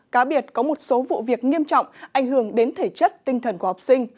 cá biệt có một số vụ việc nghiêm trọng ảnh hưởng đến thể chất tinh thần của học sinh